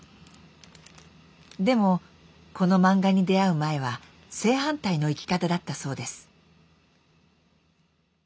でもこの漫画に出会う前は正反対の生き方だったそうです。